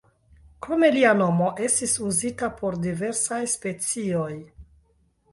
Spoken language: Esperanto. Krome lia nomo estis uzita por diversaj specioj.